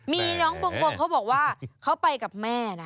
มีน้องบางคนเขาบอกว่าเขาไปกับแม่นะ